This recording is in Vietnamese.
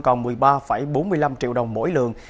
còn một mươi ba bốn mươi năm triệu đồng mỗi lượng